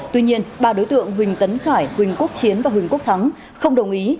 tuy nhiên ba đối tượng huỳnh tấn khải huỳnh quốc chiến và huỳnh quốc thắng không đồng ý